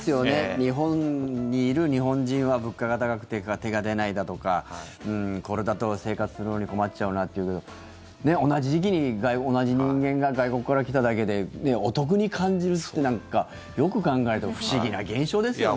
日本にいる日本人は物価が高くて手が出ないだとかこれだと生活するのに困っちゃうなんていうけど同じ時期に、同じ人間が外国から来ただけでお得に感じるってよく考えると不思議な現象ですよね。